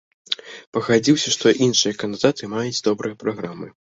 Пагадзіўся, што іншыя кандыдаты маюць добрыя праграмы.